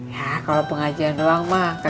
ya kalo pengajian doang ma